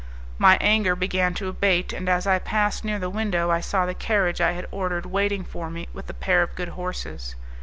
My anger began to abate, and as I passed near the window I saw the carriage I had ordered waiting for me with a pair of good horses.